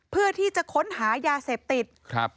เพื่อที่จะค้นหายาเสพติดครับ